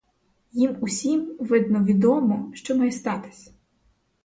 Їм усім, видно, відомо, що має статись.